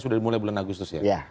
sudah mulai bulan agustus